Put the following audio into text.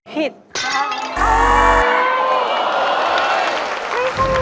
ผิดครับ